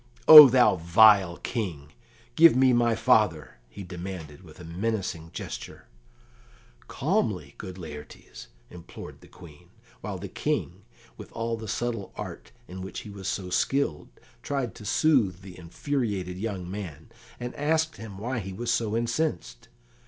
"O thou vile King, give me my father!" he demanded, with menacing gesture. "Calmly, good Laertes," implored the Queen, while the King, with all the subtle art in which he was so skilled, tried to soothe the infuriated young man, and asked him why he was so incensed.